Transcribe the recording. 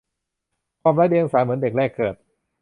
ความไร้เดียงสาเหมือนเด็กแรกเกิด